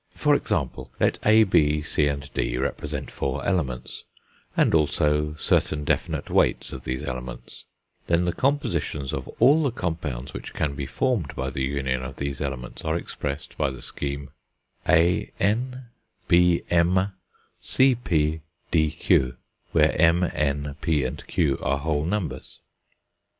For example, let A, B, C, and D represent four elements, and also certain definite weights of these elements, then the compositions of all the compounds which can be formed by the union of these elements are expressed by the scheme A_{n} B_{m} C_{p} D_{q}, where m n p and q are whole numbers.